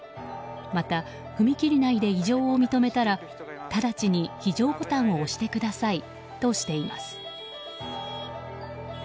また、踏切内で異常を認めたらただちに非常ボタンを押してくださいとしています。